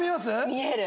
見える！